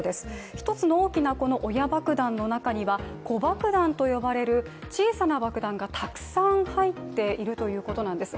一つの大きな親爆弾の中には子爆弾と呼ばれる小さな爆弾がたくさん入っているということなんです。